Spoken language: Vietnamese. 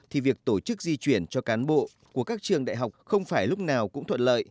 thì việc tổ chức di chuyển cho cán bộ của các trường đại học không phải lúc nào cũng thuận lợi